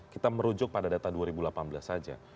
kita merujuk pada data dua ribu delapan belas saja